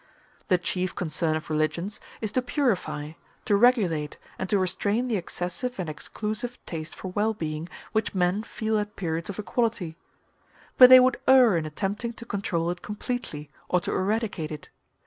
The chief concern of religions is to purify, to regulate, and to restrain the excessive and exclusive taste for well being which men feel at periods of equality; but they would err in attempting to control it completely or to eradicate it.